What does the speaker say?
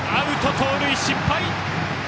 盗塁失敗！